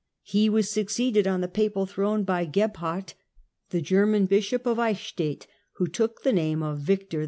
He was succeeded on the papal throne by Gebhard, the German Bishop of Eichstadt, who took the name of Victor II.